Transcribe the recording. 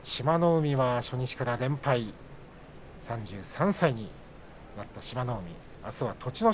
海は初日から連敗３３歳になった志摩ノ海あすは栃ノ